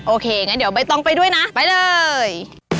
โอเคเดี๋ยวต้องไปด้วยนะไปเลย